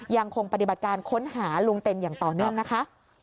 ยังคงปฏิบัติการค้นหาลุงเต็นอย่างต่อเนื่องนะคะ